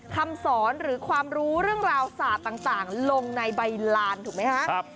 คำสอนหรือความรู้เรื่องราวศาสตร์ต่างลงในใบลานถูกไหมคะ